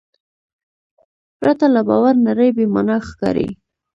پرته له باور نړۍ بېمانا ښکاري.